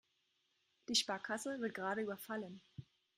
Die Sparkasse wird gerade überfallen.